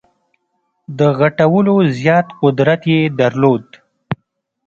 د غټولو زیات قدرت یې درلود.